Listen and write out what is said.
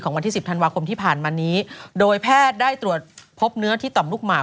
วันที่สิบธันวาคมที่ผ่านมานี้โดยแพทย์ได้ตรวจพบเนื้อที่ต่อมลูกหมาก